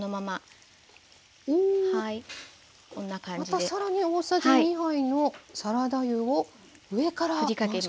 また更に大さじ２杯のサラダ油を上から回しかけていく。